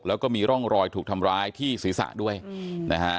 แล้วก็มีร่องรอยถูกทำร้ายที่ศีรษะด้วยนะฮะ